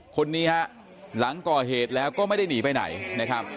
คนนี้ฮะหลังก่อเหตุแล้วก็ไม่ได้หนีไปไหนนะครับ